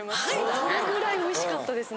そのぐらいおいしかったですね。